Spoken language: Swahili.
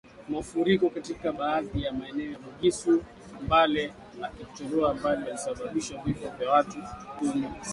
Mafuriko katika baadhi ya maeneo ya Bugisu, Mbale na Kapchorwa awali yalisababisha vifo vya watu kumi siku ya Jumapili